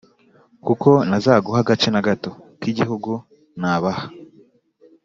kuko ntazaguha agace na gato k’igihugu nabaha